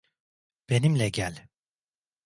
Benimle gel!